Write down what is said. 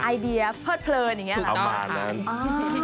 ไอเดียเพิดเพลินอย่างเงี้ย